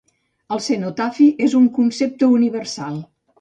El cenotafi és un concepte universal.